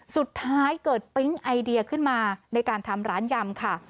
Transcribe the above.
สุดท้ายเกิดปิ๊งไอเดียขึ้นมาในการทำร้านยำค่ะ